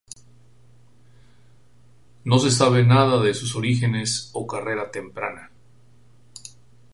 No se sabe nada de sus orígenes o carrera temprana.